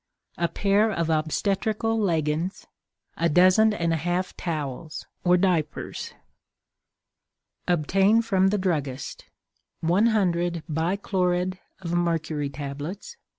A Pair of Obstetrical Leggins. A Dozen and a Half Towels (Diapers). Obtain from the Druggist: 100 Bichlorid of Mercury Tablets.